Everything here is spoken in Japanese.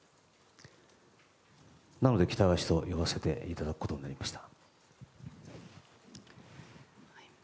なので、喜多川氏と呼ばせていただくことになりました。